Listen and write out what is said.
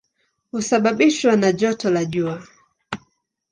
Husababishwa na joto la jua.